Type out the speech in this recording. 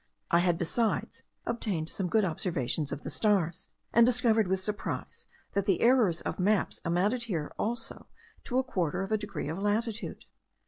I had besides obtained some good observations of the stars; and discovered with surprise, that the errors of maps amounted here also to a quarter of a degree of latitude.